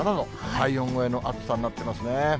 体温超えの暑さになってますね。